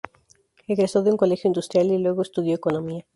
Egresó de un colegio industrial y luego estudió Economía.